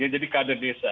jadi kader desa